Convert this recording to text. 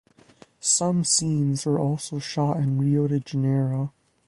Some scenes were also shot in Rio de Janeiro.